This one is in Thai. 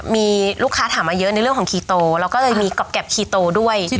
มีลูกค้าถามมาเยอะในเรื่องของคีโตแล้วก็เลยมีกรอบคีโตด้วย